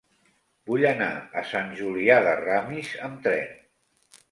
Vull anar a Sant Julià de Ramis amb tren.